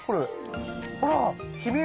ほら！